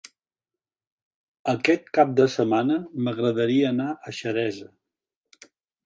Aquest cap de setmana m'agradaria anar a Xeresa.